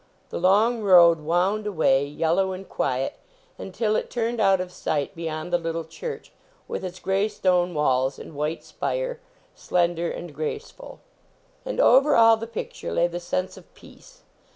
The long road wound away, yellow and quiet, until it turned out of sight beyond the little church with its gray stone walls and white spire, slender and graceful. And over all the picture lay the sense of peace.